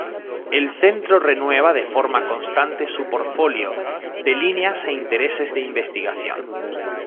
El Centro renueva de forma constante su portfolio de líneas e intereses de investigación.